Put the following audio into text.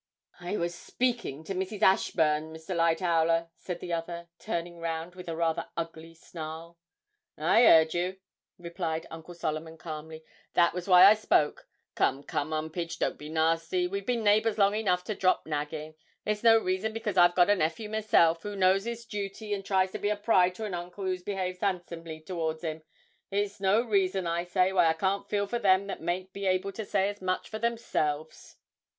'I was speaking to Mrs. Ashburn, Mr. Lightowler,' said the other, turning round with a rather ugly snarl. 'I 'eard you,' replied Uncle Solomon, calmly, 'that was why I spoke. Come, come, 'Umpage, don't be nasty we've been neighbours long enough to drop nagging. It's no reason because I've got a nephew myself, who knows his duty and tries to be a pride to an uncle who's behaved handsomely towards him, it's no reason, I say, why I can't feel for them that mayn't be able to say as much for themselves.'